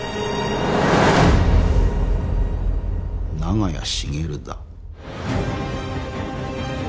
長屋茂だ。